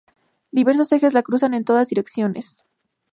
Diversos ejes la cruzan en todas direcciones.